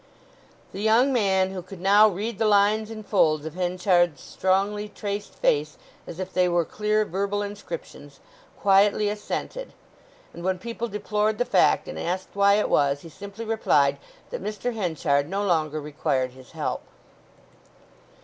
The young man, who could now read the lines and folds of Henchard's strongly traced face as if they were clear verbal inscriptions, quietly assented; and when people deplored the fact, and asked why it was, he simply replied that Mr. Henchard no longer required his help.